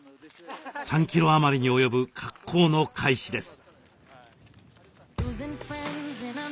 ３キロ余りに及ぶ滑降の開始です。